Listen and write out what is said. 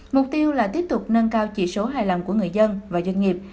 mục tiêu là tiếp tục nâng cao chỉ số hài lòng của người dân và doanh nghiệp